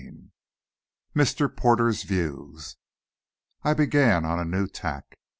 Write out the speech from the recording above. XIV. MR. PORTER'S VIEWS I began on a new tack.